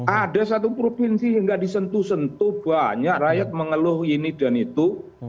ada satu provinsi yang nggak disentuh sentuh banyak rakyat mengeluh ini dan itu